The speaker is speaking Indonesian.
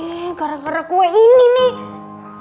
nih gara gara kue ini nih